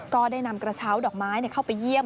ก็ได้นำกระเช้าดอกไม้เข้าไปเยี่ยม